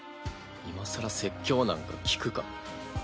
今更説教なんか効くか。